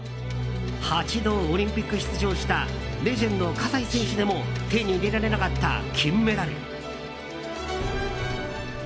８度、オリンピック出場したレジェンド、葛西選手でも手に入れられなかった金メダル。